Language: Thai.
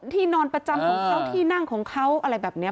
ที่นอนประจำของเขาที่นั่งของเขาอะไรแบบนี้